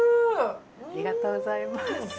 ありがとうございます。